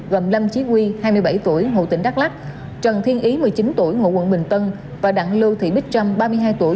gồm lâm chí quy hai mươi bảy tuổi ngụ tỉnh đắk lắc trần thiên ý một mươi chín tuổi ngụ quận bình tân và đặng lưu thị bích trâm ba mươi hai tuổi